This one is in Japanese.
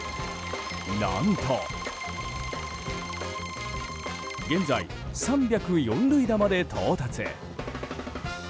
何と現在、３０４塁打まで到達。